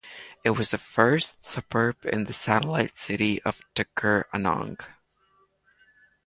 It was the first suburb in the satellite city of Tuggeranong.